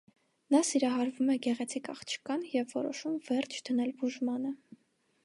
Նա սիրահարվում է գեղեցիկ աղջկան և որոշում վերջ դնել բուժմանը։